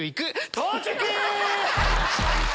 到着！